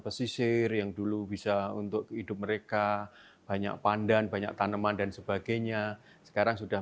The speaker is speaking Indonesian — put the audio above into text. pesisir yang dulu bisa untuk hidup mereka banyak pandan banyak tanaman dan sebagainya sekarang sudah